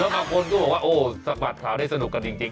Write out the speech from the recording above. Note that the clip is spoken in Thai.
แล้วบางคนก็บอกว่าโอ๊ยสักหวัดข่าวได้สนุกกันจริง